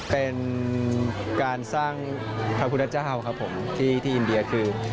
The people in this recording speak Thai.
เป็นการสร้างพระพุทธเจ้าครับผมที่อินเดียคือ